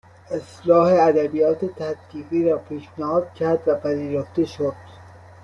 اصطلاح ادبیات تطبیقی را پیشنهاد کرد و پذیرفته شد